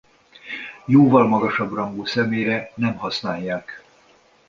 Jóval magasabb rangú személyre nem használják.